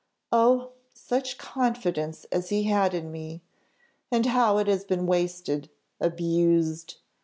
Oh, such confidence as he had in me and how it has been wasted, abused!